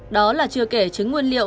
đó là chưa kể trứng nguyên liệu